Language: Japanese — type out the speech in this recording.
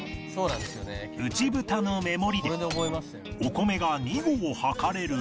内蓋の目盛りでお米が２合量れるが